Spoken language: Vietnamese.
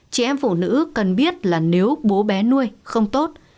chị em phụ nữ cần biết là nếu bố bé nuôi không tốt